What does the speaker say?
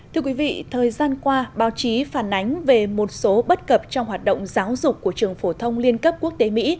thưa quý vị thời gian qua báo chí phản ánh về một số bất cập trong hoạt động giáo dục của trường phổ thông liên cấp quốc tế mỹ